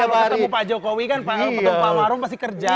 karena kalau ketemu pak jokowi kan ketemu pak maruf pasti kerja